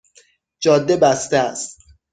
جاده بسته است